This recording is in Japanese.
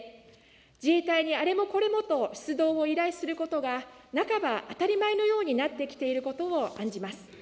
自衛隊にあれもこれもと出動を依頼することが、半ば当たり前のようになってきていることを案じます。